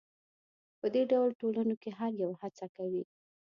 په دې ډول ټولنو کې هر یو هڅه کوي.